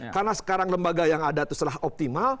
karena sekarang lembaga yang ada setelah optimal